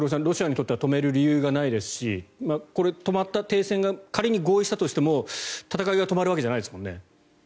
ロシアにとっては止める理由がないですし止まった、停戦が仮に合意したとしても戦いが止まるわけじゃないですもんね。